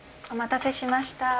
お待たせしました。